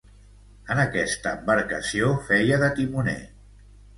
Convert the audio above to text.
En aquesta embarcació feia de timoner.